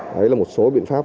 đấy là một số biện pháp